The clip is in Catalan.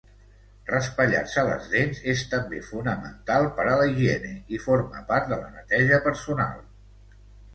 Raspallar-se les dents és també fonamental per la higiene i forma part de la neteja personal.